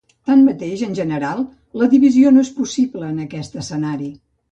Tanmateix, en general, la divisió no és possible en aquest escenari.